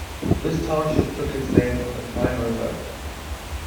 This township took its name from the Pine River.